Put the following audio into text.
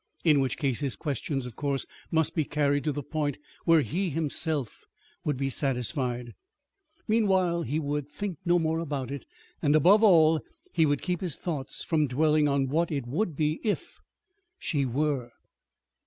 In which case his questions, of course, must be carried to the point where he himself would be satisfied. Meanwhile he would think no more about it; and, above all, he would keep his thoughts from dwelling on what it would be if she were.